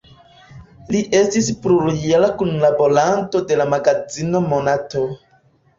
Li estis plurjara kunlaboranto de la magazino "Monato".